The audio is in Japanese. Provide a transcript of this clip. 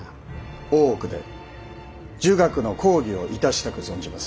大奥で儒学の講義をいたしたく存じます。